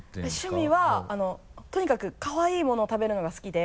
趣味はとにかくかわいいもの食べるのが好きで。